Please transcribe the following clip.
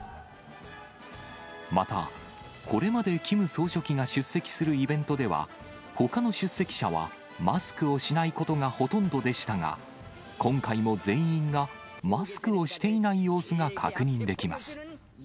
また、これまでキム総書記が出席するイベントでは、ほかの出席者はマスクをしないことがほとんどでしたが、今回も全員がマスクをしていない様子が確認できます。